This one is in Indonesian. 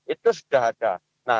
itu sudah ada